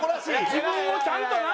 自分をちゃんとな。